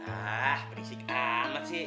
ah berisik amat sih